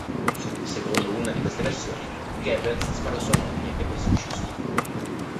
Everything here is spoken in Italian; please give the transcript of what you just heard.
Secondo una di queste versioni, Goebbels sparò a sua moglie e poi si uccise.